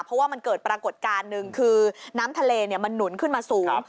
เพราะว่ามันเกิดปรากฏการณ์หนึ่งคือน้ำทะเลมันหนุนขึ้นมาสูง